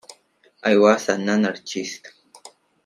I was an anarchist.